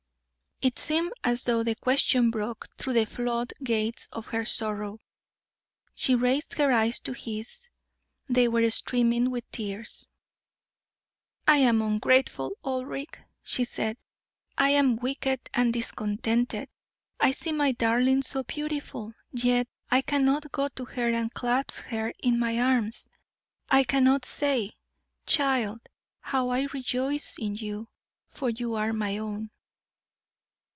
It seemed as though the question broke through the flood gates of her sorrow. She raised her eyes to his they were streaming with tears. "I am ungrateful, Ulric," she said. "I am wicked and discontented. I see my darling so beautiful, yet I cannot go to her and clasp her in my arms. I cannot say, 'Child, how I rejoice in you, for you are my own.'"